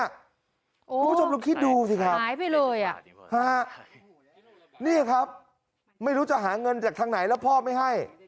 คุณผู้ชมลองคิดดูสิครับหายไปเลยอ่ะนี่ครับไม่รู้จะหาเงินจากทางไหนแล้วพ่อไม่ให้